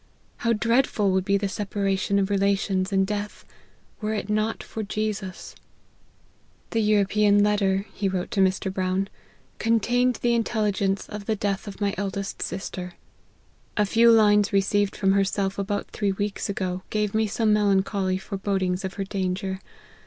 How dread ful would be the separation of relations in death were it not for Jesus." 104 LIFE OF HENRY MARTYN. " The European letter," he wrote to Mr. Brown, " contained the intelligence of the death of my eldest sister. A few lines received from herself about three weeks ago, gave me some melancholy forebodings of her danger.